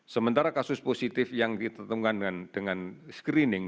sementara kasus positif yang ditemukan dengan screening